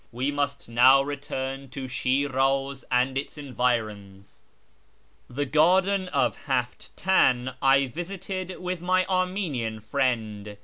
We must now return to Shiraz and its environs. The garden of Haft tan I visited with my Armenian friend.